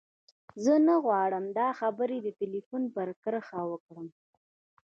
زه نه غواړم دا خبرې د ټليفون پر کرښه وکړم.